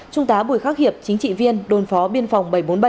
trung tá bùi khắc hiệp chính trị viên đồn phó biên phòng bảy trăm bốn mươi bảy